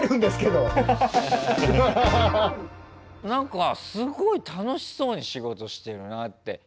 なんかすごい楽しそうに仕事してるなって。